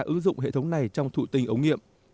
ứng dụng hệ thống này trong thụ tinh ống nghiệm